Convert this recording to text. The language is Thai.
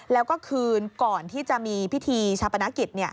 แล้วก็คืนก่อนที่จะมีพิธีชาปนกิจ